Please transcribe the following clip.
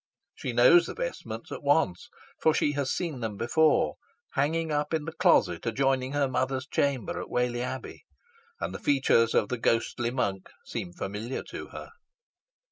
She knows the vestments at once, for she has seen them before, hanging up in the closet adjoining her mother's chamber at Whalley Abbey and the features of the ghostly monk seem familiar to her.